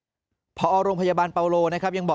เพราะว่าเราอยู่ในเครือโรงพยาบาลกรุงเทพฯนี่ก็เป็นในระดับโลก